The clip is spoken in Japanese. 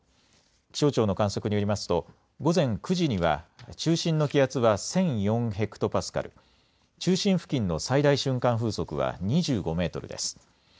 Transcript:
気象庁の観測によりますと午前９時には中心の気圧は１００４ｈＰａ、中心付近の最大瞬間風速は２５メートルです。